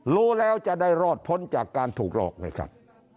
รู้แล้วจะได้รอดพ้นจากการถูกหลอกไงครับ